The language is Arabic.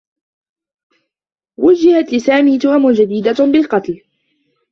وُجّهت لسامي تهم جديدة بالقتل.